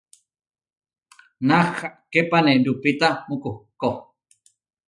Nathaképane lupita mukuhkó.